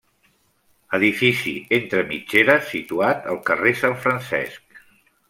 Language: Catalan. Edifici entre mitgeres situat al carrer Sant Francesc.